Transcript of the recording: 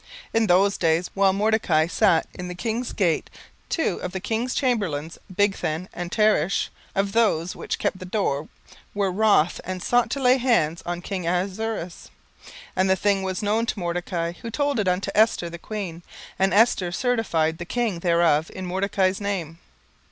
17:002:021 In those days, while Mordecai sat in the king's gate, two of the king's chamberlains, Bigthan and Teresh, of those which kept the door, were wroth, and sought to lay hands on the king Ahasuerus. 17:002:022 And the thing was known to Mordecai, who told it unto Esther the queen; and Esther certified the king thereof in Mordecai's name.